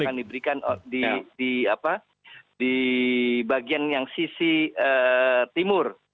akan diberikan di bagian yang sisi timur